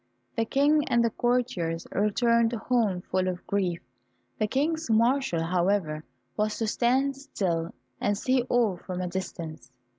The King and courtiers returned home full of grief; the King's marshal, however, was to stand still, and see all from a distance.